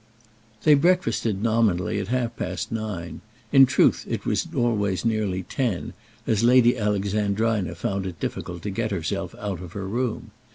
They breakfasted nominally at half past nine; in truth, it was always nearly ten, as Lady Alexandrina found it difficult to get herself out of her room.